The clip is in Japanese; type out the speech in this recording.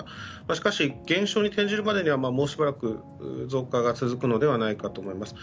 しかし、減少に転じるまでにはもうしばらく増加が続くのではないかと思います。